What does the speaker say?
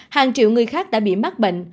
hàng triệu người khác đã bị mắc bệnh